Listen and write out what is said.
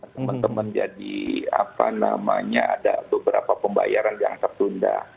teman teman jadi apa namanya ada beberapa pembayaran yang tertunda